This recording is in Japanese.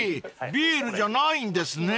ビールじゃないんですね］